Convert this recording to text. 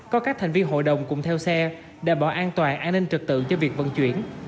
có các thành viên hội đồng cùng theo xe đảm bảo an toàn an ninh trực tự cho việc vận chuyển